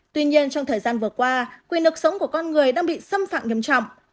tuy nhiên trong thời gian vừa qua quyền lực sống của con người đang bị xâm phạm nghiêm trọng